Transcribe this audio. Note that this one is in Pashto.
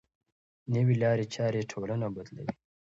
نوې لارې چارې ټولنه بدلوي.